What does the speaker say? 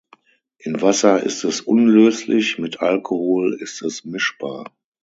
In Wasser ist es unlöslich, mit Alkohol ist es mischbar.